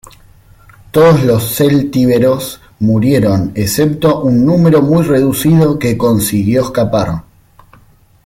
Todos los celtíberos murieron excepto un número muy reducido que consiguió escapar.